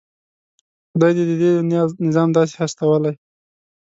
خدای د دې دنيا نظام داسې هستولی.